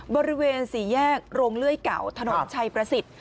บริเวณสี่แยกโรงเลื่อยเก่าถนนชัยประสิทธิ์